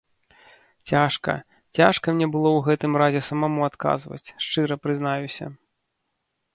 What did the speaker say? Цяжка, цяжка мне было ў гэтым разе самому адказваць, шчыра прызнаюся.